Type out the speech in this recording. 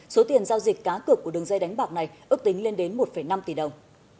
số tiền giao dịch cá cược của đường dây đánh bạc này ước tính lên đến một năm tỷ đồng